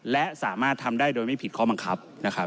และสามารถทำได้โดยไม่ผิดข้อบังคับนะครับ